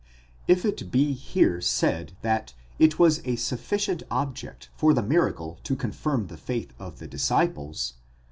[If it be here said that it was a sufficient object for the miracle to confirm the faith of the disciples